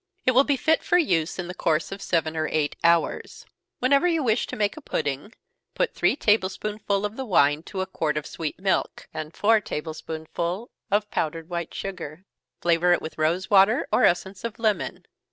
It will be fit for use in the course of seven or eight hours. Whenever you wish to make a pudding, put three table spoonsful of the wine to a quart of sweet milk, and four table spoonsful of powdered white sugar flavor it with rosewater or essence of lemon.